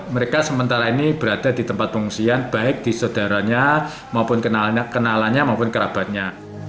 mereka sementara ini berada di tempat pengungsian baik di saudaranya maupun kenalannya maupun kerabatnya